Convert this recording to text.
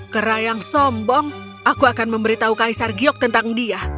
kerayang sombong aku akan memberitahu kaisar giyok tentang dia